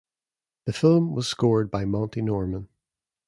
The film was scored by Monty Norman.